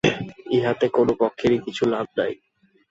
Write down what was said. ইহাতে কোন পক্ষেরই কিছু লাভ নাই।